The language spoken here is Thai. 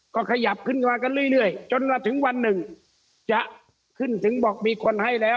ก็ขยับขึ้นมากันเรื่อยจนมาถึงวันหนึ่งจะขึ้นถึงบอกมีคนให้แล้ว